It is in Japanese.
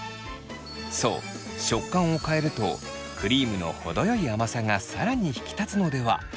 そう食感を変えるとクリームの程よい甘さが更に引き立つのではと考えた。